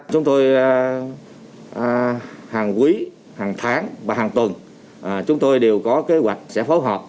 chúng tôi hàng quý hàng tháng và hàng tuần chúng tôi đều có kế hoạch sẽ phối hợp